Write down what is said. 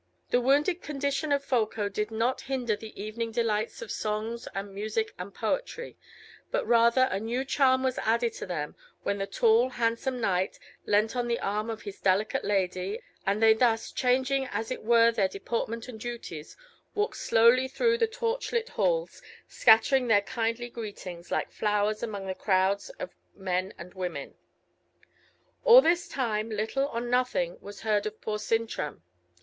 The wounded condition of Folko did not hinder the evening delights of songs and music and poetry but rather a new charm was added to them when the tall, handsome knight leant on the arm of his delicate lady, and they thus, changing as it were their deportment and duties, walked slowly through the torch lit halls, scattering their kindly greetings like flowers among the crowds of men and women. All this time little or nothing was heard of poor Sintram.